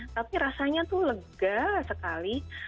tapi rasanya tuh lega sekali